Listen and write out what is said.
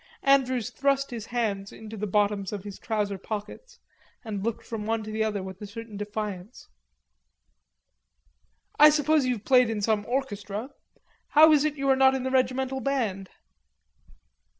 Andrews thrust his hands into the bottoms of his trouser pockets and looked from one to the other with a certain defiance. "I suppose you've played in some orchestra? How is it you are not in the regimental band?"